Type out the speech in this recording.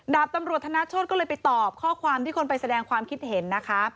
ดาบตำรวจธนโชธก็เลยไปตอบข้อความที่คนไปแสดงความคิดเห็นนะคะ